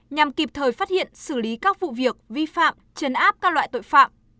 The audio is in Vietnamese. nhằm kịp thời phát hiện xử lý các vụ việc vi phạm chấn áp các loại tội phạm